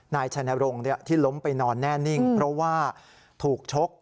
นายชัยนรงค์ที่ล้มไปนอนแน่นิ่งเพราะว่าถูกชก